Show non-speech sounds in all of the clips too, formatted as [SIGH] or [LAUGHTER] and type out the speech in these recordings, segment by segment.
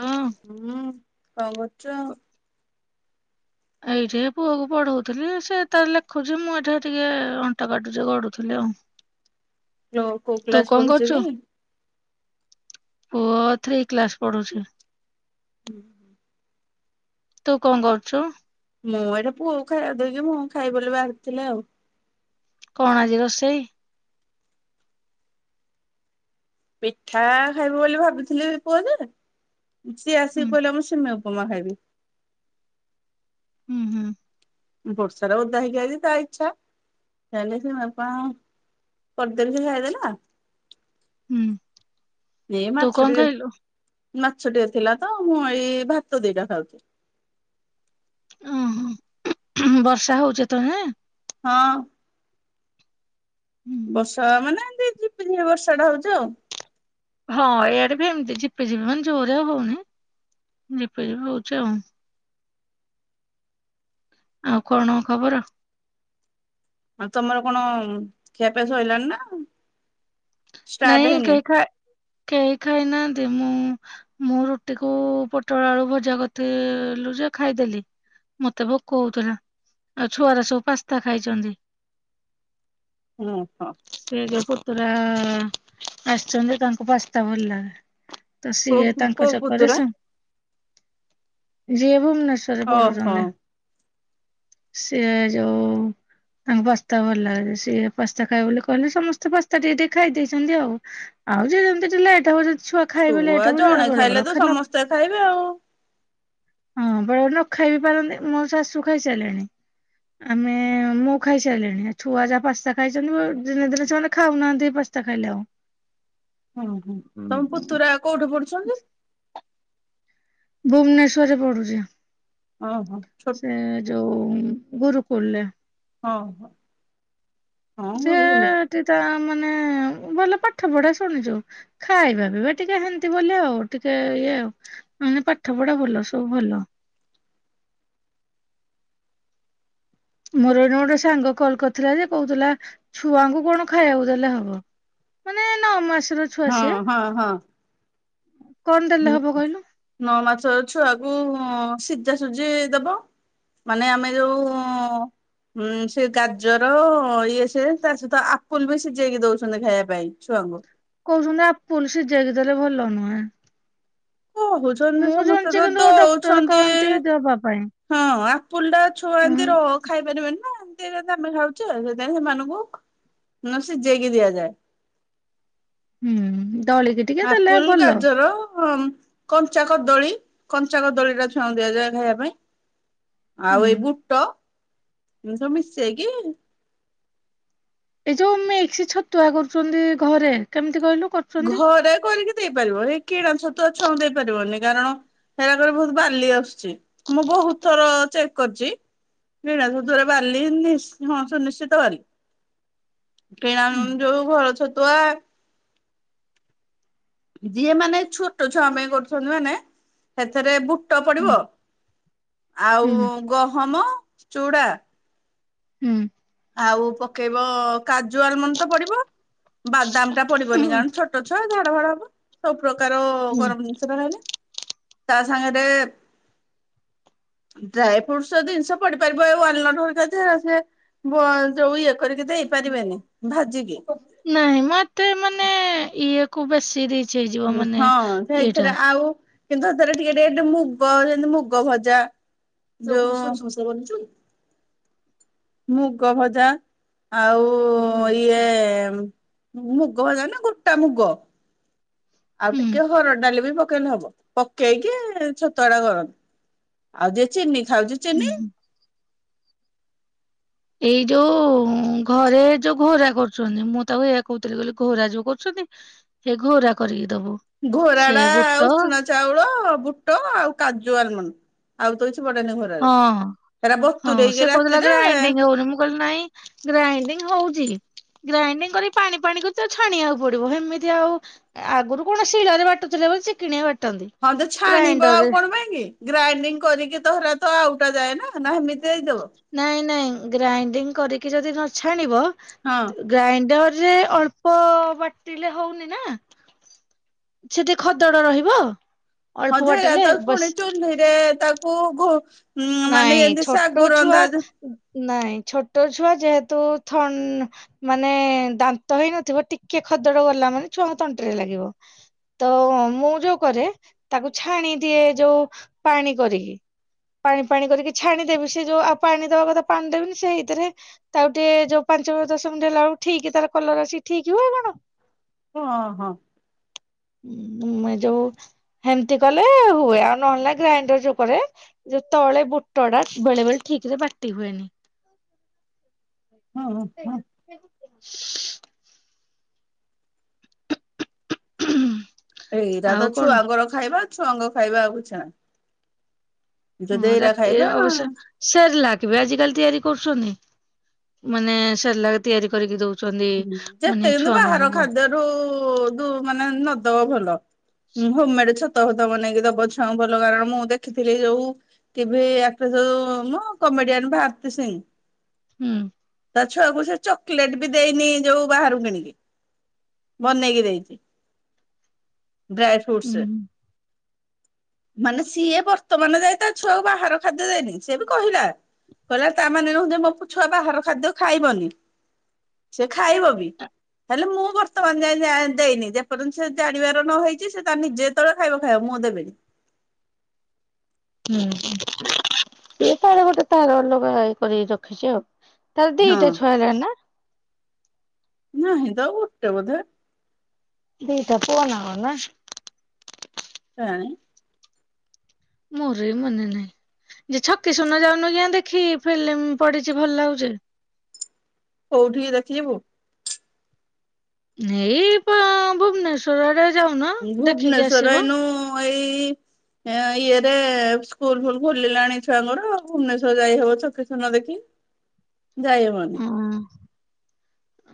ହଁ ହୁଁ କଣ କରୁଚ? [INAUDIBLE] ଏଇଠି ପୁଅକୁ ପଢଉଥିଲି ସେ ତ ଲେଖୁଛି ମୁଁ ଏଇଠା ଟିକେ ଅଣ୍ଟା କାଟୁଛି ଗଡୁଥିଲି ଆଉ। ର କୋଉ ତୁ କ୍ଲାସ କଣ ପଢୁଛି କରୁଛୁ କି? [INAUDIBLE] ପୁଅ ଥ୍ରୀ କ୍ଲାସ ପଢୁଛି। ଉଁ ହୁଁ। ତୁ କଣ କରୁଛୁ ମୁଁ ଏଇଟି ପୁଅକୁ ଖାଇବାକୁ ଦେଇକି ମୁଁ ଖାଇବ ବୋଲି ବାହାରିଥିଲି ଆଉ କଣ ଆଜି ରୋଷେଇ ପିଠା ଖାଇବି ବୋଲି ଭାବୁଥିଲି ପୁଅ ଯେ ସିଏ ଆସିକି ହୁଁ କହିଲା ମୁଁ ସିମା ପୁମା ଖାଇବି ହୁଁ ହୁଁ [UNINTELLIGIBLE] ହୁଁ ତୁ କଣ ଖାଇଲୁ ମାଛଟିଏ ଥିଲା ତ ମୁଁ ଏଇ ଭାତ ଦିଟା ଖାଉଛି ଓହୋ ବର୍ଷା ହଉଛ ତ ହେଁ ହଁ ବର୍ଷା ମାନେ ଏମ୍ ତି ଝ ବର୍ଷା ଟା ହଉଛି ଆଉ ହଁ ଏଇଆଡେ ବି ଏମିତି ଝିପିଝିପି ମାନେ ଜୋରେ ଆଉ ହଉନି ଝିପିଝିପି ହଉଚି ଆଉ ଆଉ କଣ ଖବର ଆଉ ତମର କଣ ଖିଆପିଆ ସରିଲାଣି ନା ଷ୍ଟାର୍ଟ ନାଇଁ ହେଇନି? କେହି ଖା ଖାଇ ନାହାଁନ୍ତି ମୁଁ ମୁଁ ରୁଟି କୁ ପୋଟଳ ଆଳୁ ଭଜା କରିଥିଲୁ ଯେ ଖାଇଦେଲି ମତେ ଭୋକ ହଉଥିଲା ଆଉ ଛୁଆର ସବୁ ପାସ୍ତା ଖାଇଛନ୍ତି ଓଁ ହୋ [INAUDIBLE] ଆସଛନ୍ତି ତାଙ୍କୁ ପାସ୍ତା ଭଲ ଲାଗେ ତ ସିଏ କୋଉ ତାଙ୍କ କୋଉ ଚଛକରେ ପୁତୁରା? ସା ଯିଏ ଭୁବନେଶ୍ୱରରେ ଓହୋ ପଢୁଛନ୍ତି ସିଏ ଯୋଉ ତାଙ୍କ ପାସ୍ତା ଭଲ ଲାଗେ ସିଏ ପାସ୍ତା ଖାଇବେ ବୋଲି କହିଲେ ସମସ୍ତେ ପାସ୍ତା ଟିକେ ଟିକେ ଖାଇଦେଇ ନ୍ତୀ ଆଉ ଆଉ ଯେମିତି ଲେଟ୍ ହେବା ଯଦି ଖାଇବେ ଲେଟ୍ ଛୁଆ ହବ ବେଳେ ଜଣେ ବେଳେ ଖାଇଲେ ତ ନ ସମସ୍ତେ ଖାଇବେ ଆଉ ହଁ ବେଳେ ବେଳେ ନ ଖାଇ ବିି ପାରନ୍ତି ମୋ ଶାଶୁ ଖାଇସାରିଲେଣି ଆମେ ମୁଁ ଖାଇସାରିଲିଣି ଛୁଆ ଯାହା ପାସ୍ତା ଖାଇଛନ୍ତି ଦିନେ ଦିନେ ସେମାନେ ଖାଉନାହାନ୍ତି ପାସ୍ତା ଖାଇଲେଉ [UNINTELLIGIBLE] ତମ ପୁତୁରା କୋଉଠି ପଡୁ ସ୍ଵନ୍ଦିପ ବୁବନେଶ୍ଵରରେ ପଡୁଛି ଓହୋ ଛୋଟ ସେ ଯୋଉ ହୁଁ ଗରୁକୁଲ ରେ ହଁ [UNINTELLIGIBLE] ରୁଲ ସେଟିଟା ମାନେ ଭଲ ପାଠ ପଢା ଶୁଣିଛୁ ଖାଇବା ପିଇବା ଟିକେ ଏନ୍ତ ବୋଲି ଆଉ ଟିକେ ଇଏ ପାଠ ପଢା ଭଲ ସବୁ ଭଲ ମୋର ଏଣ ଗୋଟେ ସାଙ୍ଗ କଲ କରିଥିଲା ଯେ କହୁଥିଲା ଛୁଆଙ୍କୁ କଣ ଖାଇବାକୁ ଦେଲେ ହବ ମାନେ ନଅମାସ ହଁ ହଁ ହଁ [INAUDIBLE] ହୁଁ ହବ କହିଲୁ ନଅ ମାସ ଅଛୁ ଆ [UNINTELLIGIBLE] ସିଝା ସୁଝି ଦବ ମାନେ ଆମେ ଯୋଉ ସେ ଗାଜର ଇଏ ସ ତା ସହିତ ଆପୁଲ ବି ସିଝେଇକି ଦଉଛନ୍ତି ଖାଇବା ପାଇଁ ଛୁଆଙ୍କୁ କହୁଛନ୍ତି ଆ ପଲସ ଯାଇକି ଦେଲେ ଭଲ ନୁହେଁ। କହୁଛନ୍ତି ମୁଁ ସମସ୍ତେ ଜାଣିଛି ତ କିନ୍ତୁ ଡକ୍ଟର ଦଉଛନ୍ତି କହନ୍ତି ଦବା ପାଇଁ ହଁ। ଫୁଲଟା ଛୁଆ ଉଁ ଏମିତି ର ଖାଇ ପାରିବେନି ନା ଏମିତି ଆମେ ଖାଉଛେ ସେଥିାଇଁ ସେମାନଙ୍କୁ ସିଝେଇକି ଦିଆଯାଏ। [INAUDIBLE] ହୁଁ। ଦଳିକି ଟିକେ ଦେଲେ ଆପୁଲ ଭଲ ଗାଜର କଞ୍ଚା କଦଳୀ କଞ୍ଚା କଦଳୀ ଟା ଛୁଆଁ ଦିଆଯାଏ ଖାଇବା ପାଇଁ। ହୁଁ ଆଉ ଇ ବୁଟ ସମସ୍ତ ଆ କି? ଏଇ ଯୋଉ ମସି ଛତୁଆ କରୁଛନ୍ତି ଘରେ କେମିତି କହିଲୁ? କରୁଛନ୍ତି? ଘରେ କରିକି ଦେଇପାରିବ ଏଇ କିଣା ଛତୁଆ ଛୁଉଁ ଦେଇ ପାରିବନି କାରଣ ହେରାକରେ ବହୁତ ବାଲି ଆସୁଛି ମୁଁ ବହୁତ ଥର ଚେକ୍ କରିଛି କିଣା ଛତୁଆରେ ବାଲି ହଁ ସୁନିଶ୍ଚିତ ବାଲି କିଣା ହୁଁ ଯୋଉ ଘର ଛତୁଆ ଯିଏ ମାନେ ଛୋଟ ଛୁଆ ପାଇଁ କରୁଛନ୍ତି ମାନେ ସେଥିରେ ବୁଟ ହୁଁ ପଡିବ ଆଉ ହୁଁ ଗ ହମ ଚୋଡ଼ା ଆଉ ପକେଇବ କାଜୁ ଆଲମଣ୍ଡ ତ ପଡିବ ବାଦାମ ଟା ହୁଁ ପଡିବନି କାରଣ ଛୋଟ ଛୁଆ ଝାଡ ଫାଡ ହବ ସବୁ ପ୍ରକାର ହୁଁ। ଗରମ ଜିନିଷଟ ରହ ତା ସାଙ୍ଗରେ [INAUDIBLE] ଡ୍ରାଇ ଫ୍ରୁଟସ ଜିନିଷ ପଡିପାରିବ ଟ ଯୋଉ ଇଏ କରିକି ଦେଇ ପାରିବେନି ଭାଜିକି ନାଇଁ ମତେ ମାନେ ଇଏ ଖୁବ ଅ ସିରି ହଁ ସେଇଥିରେ ଆଉ କିନ୍ତୁ ସେଥରେ ଟିକେ ଟିକେ ମୁଗ ଯେମିତି ମୁଗ ଭଜା ଯୋଉ ମୁଗ ଭଜା ଆଉ ଇଏ ମୁଗ ଭଜା ନା ଗୋଟା ମୁଗ ଆଉ ହୁଁ ଟିକେ ହର ଡାଲି ବି ପକେଇଲେ ହବ। ପକେଇକି ଛତଡା ଦଳ ଆଉ ଯିଏ ଚିନି ଖାଉଛି ଚିନି [INAUDIBLE] ହୁଁ। ଏଇ ଯୋଉ ଘରେ ଯୋଉ ଘୋରା କରୁଛନ୍ତି ମୁଁ ତାକୁ ଏଇଆ କହୁଥିଲି ବୋଲି ଘୋରା ଯୋଉ କରୁଛନ୍ତି ସେ ଘୋରା କରିକି ଦବୁ। ସେ ଘରାଡା ବୁଟ ଉସୁୁନା ଚାଉଳ ବୁ ଟ ଆଉ କାଜୁ ଆଲମଣ୍ଡ। ଆଉ ତ କିଛି ପଡେନି ହଁ ଘୋରାରେ ହେରା ହଁ ବତୁରେଇକି ସେ କହୁଥିଲା ରାତିରେ ଗ୍ରାଇଣ୍ଡିଙ୍ଗ ହଉନି ମୁଁ କହିଲି ନାଇଁ ଗ୍ରାଇଣ୍ଡିଙ୍ଗ ହଉଛି ଗ୍ରାଇଡିଙ୍ଗ କରି ପାଣି ପାଣି କରି ତାକୁ ଛାଣିବାକୁ ପଡିବ ସେମିତି ଆଉ ଆଗରୁ କଣ ଶିଳରେ ବାଟୁଥିଲେ ବୋଲି ସେ କିଣିବା ହଁ ତ ଛାଣିବ ଆଉ କଣ ପାଇଁ କି? ଗ୍ରାଇଣ୍ଡିଙ୍ଗ କରିକି ତ ହେରାତ ଆଉଟା ଯାଏ ନା ନା ହେମିତି ଦେଇଦବ। ନାଇଁ ନାଇଁ ଗ୍ରାଇଡିଙ୍ଗ କରିକି ଯଦି ନଛାଣିବ ହଁ ଗ୍ରାଇଣ୍ଡର ରେ ଅଳ୍ପ ବାଟିଲେ ହଉନି ନା ସେଠି ଖଦଡ ରହିବ। ଅଳ୍ପ ହଁଯେ ବାଟିଲେ ତାକୁ ବସ୍ ପୁଣି ଚୁହ୍ନହି ରେ ତା ଓହୋ। ନାଇଁ ଛୋଟ ଛୁଆ। ନାଇଁ ଛୋଟ ଛୁଆ ଯେହେତୁ ଥ ମାନେ ଦାନ୍ତ ହେଇନଥିବ ଟିକେ ଖଦଡ ଗଲା ମାନେ ଛୁଆଙ୍କ ତଣ୍ଟିରେ ଲାଗିବ ତ ମୁଁ ଯୋଉ କରେ ତାକୁ ଛାଣି ଦିଏ ଯୋଉ ପାଣି କରିକି। ପାଣି ପାଣି କରିକି ଛାଣିଦେବି ସେ ଯୋଉ ଆଉ ପାଣି ଦବା କଥା ପାଣି ଦେବିନି ସେଇଥିରେ ତାକୁ ଟିକେ ଯୋଉ ପାଞ୍ଚ ଦଶ ମିନିଟ ହେଲା ବେଳକୁ ଠିକ ତାର କଲର ଆସିକି ଠିକ ହୁଏ ଆଉ କଣ। ହଁ ହଁ। ଯୋଉ ହେମିତି କଲେ ହୁଏ ଆଉ ନହେଲେ ନା ଗ୍ରାଇଣ୍ଡର ଯୋଉ କରେ। ଯେ ତଳେ ବୁଟ ଟା ବେଳେ ବେଳେ ଠିକ ରେ ବାଟି ହୁଏନି। ହଁ ହଁ। [INAUDIBLE] ଏଇରା ଆଉ ତ କଣ ଛୁଆଙ୍କର ଖାଇବା। ଛୁଆଙ୍ଗ ଖାଇବା ଆକୁ କିଛି ଆନି। ହଁ ରାତିରେ ନା ଅବଶ୍ୟ ସାର୍ ଲାଗିବେ ଆଜିିକାଲି ତିଆରି। କରୁଛନ୍ତି ମାନେ ସାଲାର୍ ତିଆରି କରିକି ଦଉଛନ୍ତି। ହୁ ମାନେ ଯେତେ ହେଲେ ଛୁଆ ବାହାର ମାନଙ୍କୁ ଖାଦ୍ୟରୁ ତୁ ମାନେ ନ [UNINTELLIGIBLE] ଭଲ ହୋମେଡ ଛତୁଆ ଫତୁଆ ବନେଇକି ଦବ ଛୁଆଙ୍କୁ ଭଲ କାରଣ ମୁଁ ଦେଖିଥିଲି ଯୋଉ ଟିଭି ଆସେ ଯୋଉ ମୋ କମେଡିଆନ ଭାରତୀ ସିଂ। ହୁଁ। ତା ଛୁଆକୁ ସେ ଚକିଲେଟ ବି ଦେଇନି ଯୋଉ ବାହାରୁ କିଣିକି ବନେଇକି ଦେଇଛି। ଡ୍ରାଇ ହୁଁ ଫ୍ରୁଟ୍ସ୍। ମାନେ ସିଏ ବର୍ତ୍ତମାନ ଯାଏ ତା ଛୁଆକୁ ବାହାର ଖାଦ୍ୟ ଦେଇନି ସେ ବି କହିଲା କହିଲା ତାମାନେ ନୁହଜେ ମୋୁ ଛୁଆ ବାହାର ଖାଦ୍ୟ ଖାଇବନି। ସେ ଖାଇବ ବି ହେଲେ ମୁଁ ବର୍ତ୍ତମାନ ଯାଏ ଦେଇନି ଯେପର୍ଯ୍ୟନ୍ତ ସେ ଜାଣିବାର ନ ହେଇଛି ସେ ତା ନିଜେ ଯେତେବେଳେ ଖାଇବ ଖାଇବ ମୁଁ ଦେବନି। ହୁଁ ସେ ତାର ଗୋଟେ ତାର ଅଲଗା ଇଏ କରିକି ରଖିଛି ଆଉ। ତାର ଦିଟା ଛୁଆ ହେଲାଣି ନା? ନହିଁ ତ ଆଉ ଗୋଟେ ବୋଧେ। ଦି ପ୍ରକାର ର ନା। କାଇଁ। ମୋର ବି ମନେ ନାହିଁ, ଯେ ଛକିଶୂନ ଯାଉନିଜ୍ଞା ଦେଖି ଫିଲ୍ମ ପଡିଚି ଭଲ ଲାଗୁଛି। କୋଉଠିକି ଦେଖିଯିବୁ? ହେଇ ପ ଭୁବନେଶ୍ୱରେ। ଭୁବନେଶ୍ଵର ଏଇନୁ ଏଇ ଇଏରେ ସ୍କୁଲ ଫୁଲ୍ ଖୋଲିଲାଣି ଛୁଆଙ୍କର ଭୁବନେଶ୍ଵର ଯାଇ ହବ ଛକିଶୂନ ଦେଖି। ଓ ଯାଇହବନି।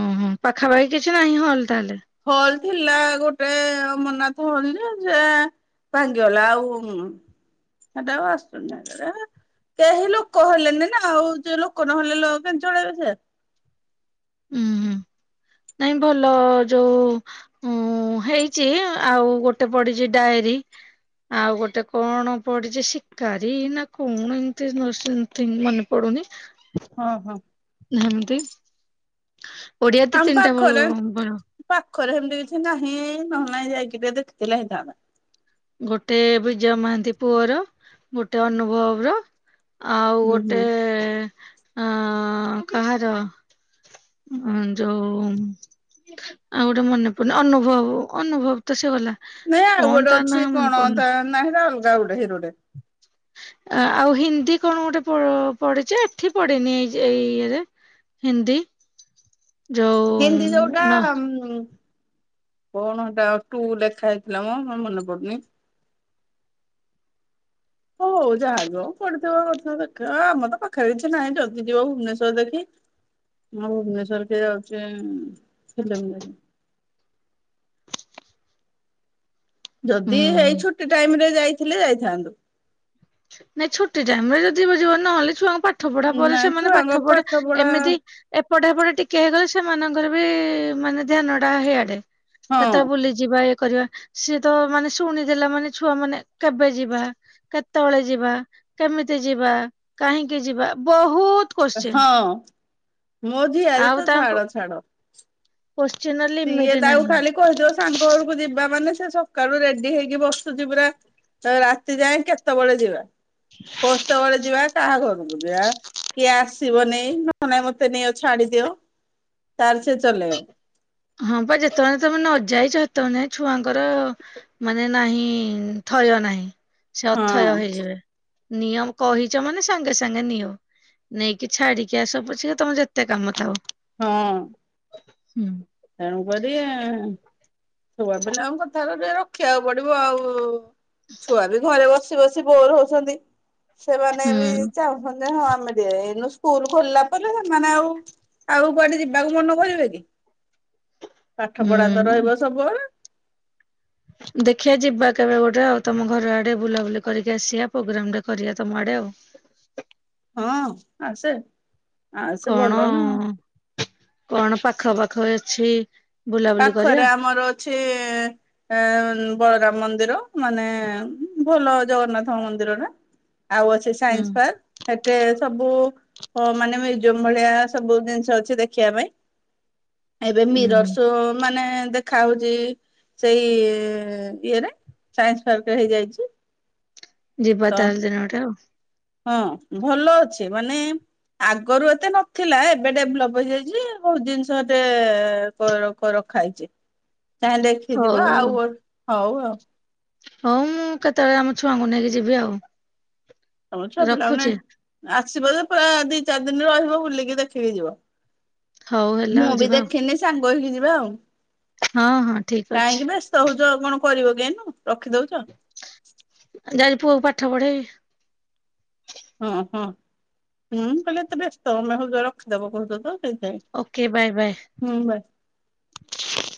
ଓହୋ ପାଖାପାଖି କିଛି ନାହିଁ ହଲ୍। ତାହାଲେ। ହଲ୍ ଥିଲା ଗୋଟେ ଅମରନାଥ ହଲ୍। ଯେ ଯାଆ ଭାଙ୍ଗିଗଲା ଆଉ ସେଟା ଆସୁନି କେହି ଲୋକ ହେଲେଣିି ନା ଆଉ ଯୋଉ ଲୋକ ନହେଲେ କେମିତି ଚଳେଇବେ ସେ। ହୁଁ ହୁଁ ନାଇଁ ଭଲ ଯୋଉ ଉଁ ହେଇଛି ଆଉ ଗୋଟେ ପଡିଛି ଡାଏରୀ, ଆଉ ଗୋଟେ କଣ ପଡିଛି ଶିକାରୀ ନା କଣ ଏମତି ସେମ ମନେ ପଡୁନି। ହଁ ହଁ। ଧମତି। ଓଡିଆ ତ ଆମ ତିନିଟା ବ ପାଖରେ ବଡ। ପାଖରେ ସେମିତି କିଛି ନାହିଁ ନହେଲେ ନାହିଁ ଯାଇକି ତ ଟିକେ ଦେଖିଥିଲେ ହେଇଥାନ୍ତା। ଗୋଟେ ବିଜୟ ମହାନ୍ତି ପୁଅର, ଗୋଟେ ଅନୁଭବର। ଆଉ ହୁଁ ଗୋଟେ ହୁଁ ଏ। ହଁ କାହାର? ହଁ ଯୋଉ ଆଉଗୋଟେ ମନେ ପଡିଲା ଅନୁଭବ ଅନୁଭବ ତ ସେ ଗଲା। ନାଇଁ ଆଉ କଣ ଗୋଟେ ତା ନାଁ ଅଛି ମନେ କଣ ପଡୁନି ତା ନାହିଁ ଅଲଗା ଗୋଟେ। ହିରୋଟେ। ଆଉ ହିନ୍ଦୀ କଣ ଗୋଟେ ପ ପଢଚି, ଏଠି ପଢନି ଏଇ ଏଇ ଇଏରେ ହିନ୍ଦୀ। ଯୋଉ ହିନ୍ଦୀ ଯେଉଟା ନା ଉମ୍ ଉମ୍ କଣ ସେଟା ଟୁ ଲେଖା ହେଇଥିଲା ମ ମନେ ପଡୁନି। ହଉଉ ଯାହାବିହଉ ପଡିଥିବ କଥା ଦେଖି ଆମ ତ ପାଖରେ କିଛି ନାହିଁ ଯଦି ଯିବ ଭୁବନେଶ୍ୱର ଦେଖି ମୁଁ ଭୁବନେଶ୍ୱର କେ ଯାଉଛି ଦେଖି। ଯଦି ହୁଁ ଏଇ ଛୁଟି ଟାଇମ ରେ ଯାଇଥିଲେ, ଯାଇଥାନ୍ତୁ। ନାଇଁ ଛୁଟି ଟାଇମ ରେ ଯଦି ଯିବ ନହେଲେ। ଛୁଆଙ୍କୁ ପାଠପଢା ପରେ ନା ସେମାନେ ଛୁଆଙ୍କ ପାଠ ପଢେ ପଢା ଏମିତି ଏପ୍ ପଢ଼ାପଢ଼ି ଟିକେ ହେଇଗଲେ, ସେମାନଙ୍କର ବି ମାନେ ଧ୍ୟାନଟା ହେଇଆଡ଼େ। ହଁ କଥା ବୁଲିଯିବା ଏ। କରିବା ସିଏ ତ ମାନେ ଶୁଣିଦେଲା ମାନେ ଛୁଆମାନେ କେବେ ଯିବା କେତ୍ କେତେବେଳେ ଯିବା କେମିତି ଯିବା କାହିଁକି ଯିବା ବହୁତ୍। ହଁ। ମୋ ଆଉ ଝିଆରୀତ ତାଙ୍କ ଛାଡ ଛାଡ। କୋଶ୍ଚିିନ ର ସିଏ ଲିମିଟ ତାକୁ ନାହିଁ। ଖାଲି କହିଦବ ସାଙ୍ଗ ବେଳକୁ ଯିବା ମାନେ ସେ ସକାଳୁ ରେଡି ହେଇକି ବସୁଛି ପରା ରାତି ଯାଏ କେତେବେଳେ ଯିବା ଖୋସ୍ତ ବଳେ ଯିବା କାହା ଘର ବୁ [UNINTELLIGIBLE] କିଏ ଆସିବନି ନହେ ନାଇ ମତେ ନେଇଅ ଛାଡିଦିଅ ତାର ସେ ଚଲେଇବ ହଁ ବା ଯେତେବେଳେ ତମେ ନ ଯାଇଛ ସେତେବେଳେ ଛୁଆଙ୍କର ମାନେ ନାହିଁ ଥୟ ନାହିଁ ସେ ଅଥୟ ହଁ ହେଇଯିବେ ନିଅମ କହିଛ ମାନେ ସାଙ୍ଗେ ସାଙ୍ଗେ ନିଅ ନେଇକି ଛାଡିକି ଆସ ପଛେ ତମେ ଯେତେ କାମ ଥାଉ ହଁ [INAUDIBLE] ତାଣୁପଦିଆ। ଛୁଆ ପିଲା ଆମ କଥା ଗୁରା। ରଖିବାକୁ ପଡିବ ଆଉ। ଛୁଆ ବି ଘରେ ବସ ବ ବସି ବୋର ହସନ୍ତି। ସେମାନେ ବି ହୁଁ। ଚାହୁଁଛନ୍ତି ଯେ ହଁ ଆମେ ଟେ ଏଇନୁ ସ୍କୁଲ ଖୋଲିଲା ପରେ ସେମାନେ ଆଉ ଆଉ କୁଆଡେ ଯିବାକୁ ମନ କରିବେ କି? ପାଠ ପଢା ତ ରହିବ ସବୁବେଳେ। ଦେଖିବା ଯିବା କେବେ ଗୋଟେ ଆଉ ତମ ଘର ଆଡେ ବୁଲାବୁଲି କରିକି ଆସିବା ପୋଗ୍ରାମ ଟେ କରିବା ତମ ଆଡେ ଆଉ। ହଁ ଆସେ। ଆସେ କଣ ଭଲ ନା କଣ ପା ପାଖ ପାଖ ଅଛି ବୁଲାବୁଲି ପାଖରେ କରିବା ଆମର ଅଛି ଇ ଈ ମ ବଳରାମ ମନ୍ଦିର ମାନେ ଭଲ ଜଗନ୍ନାଥଙ୍କ ମନ୍ଦିର ଟା। ଆଉ ଅଛି ହୁଁ ସାଇନ୍ସ ପାର୍କ ସେଠେ ସବୁ ମାନେ ମୁ ଜଭଳିଆ ସବୁ ଜିନିଷ ଅଛି ଦେଖିବା ପାଇଁ। ଏବେ ମିର ହୁଁ ମାନେ ଦେଖା ହଉଛି ସେଇ ଇଏରେ ସାଇଁସ ପାର୍କରେ ହେଇଯାଇଛି। ଯିବା ତ ତାର ଦିନ ଗୋଟେ ଆଉ। ହଁ ଭଲ ଅଛି ମାନେ ଆଗରୁ ଏତେ ନଥିଲା ଏବେ ଡେଭଲପ ହେଇଯାଇଛି ବହୁତ ଜିନିଷ ଏଟେ ଏ କ ରଖା ହେଇଛି। ଚାହି ଦେଖି ଯିବା ଆଉ ହଉ ଆଉ। ହଉ ମୁଁ କେତେବେଳେ ଆମ ଛୁଆଙ୍କୁ ନେଇକି ଯିବି ଆଉ। ହଉଛ ପିଲାମାନେ ରଖୁଛି ଆ ଆସିବ ଯେ ପୁରା ଦି ଚାରି ଦିନରେ ରହିବ ବୁଲିକି ଦେଖିକି ଯିବ। ହଉ ହେଲା ଆଉ ମୁଁ ବି ଯିବା ଦେଖିନି ସାଙ୍ଗ କହିକି ଯିବା ଆଉ। ହଁ, ହଁ, ଠିକ କାହିଁକି ବ୍ୟସ୍ତ ଅଛି। କଣ କରିବ କି ଏଇନୁ? ଯାଉଜି ପୁଅକୁ ପାଠ ପଢ଼େଇବି। [INAUDIBLE] ହଁ, ହଁ, ହୁଁ, କହିଲେ ଏତେ ବ୍ୟସ୍ତ ଆମେ ହଉ ରଖିଦବ କହୁଛ ତ। ସେଇଥିପାଇଁ ଓକେ ବାଏ, ହୁଁ ବା ବାଏ।